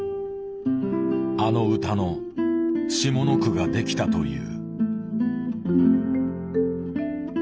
あの歌の下の句ができたという。